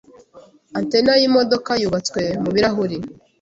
Antenna yimodoka yubatswe mubirahuri.